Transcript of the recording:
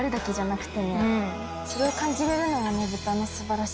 それを感じられるのが。